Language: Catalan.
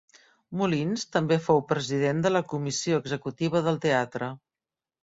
Molins també fou president de la comissió executiva del Teatre.